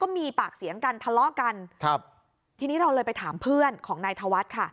มีปากเสียงกันทะเลาะกันครับทีนี้เราเลยไปถามเพื่อนของนายธวัฒน์ค่ะ